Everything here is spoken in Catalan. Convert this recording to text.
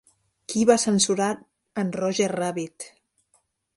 Qui va censurar en Roger Rabbit?